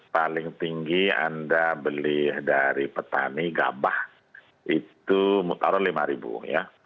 paling tinggi anda beli dari petani gabah itu mutaro rp lima ya